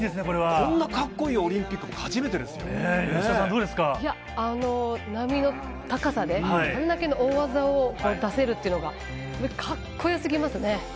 こんなカッコいいオリンピッ波の高さであれだけの大技を出せるというのがカッコよすぎますね。